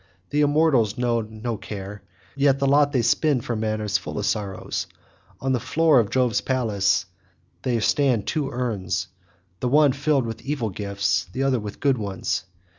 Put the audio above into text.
The immortals know no care, yet the lot they spin for man is full of sorrow; on the floor of Jove's palace there stand two urns, the one filled with evil gifts, and the other with good ones.